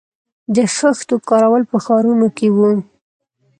د خښتو کارول په ښارونو کې وو